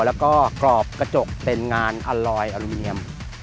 แล้วก็กรอบกระจกเป็นงานอัลลอยอลูเนียม